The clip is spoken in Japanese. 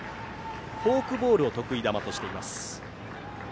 フォークボールを得意球としています。